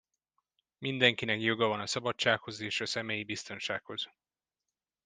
Mindenkinek joga van a szabadsághoz és a személyi biztonsághoz.